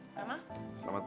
apapun handikap ke disoal kemaju